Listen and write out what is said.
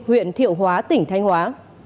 huyện thiệu hóa tỉnh thanh hóa